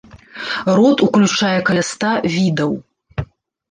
Род уключае каля ста відаў.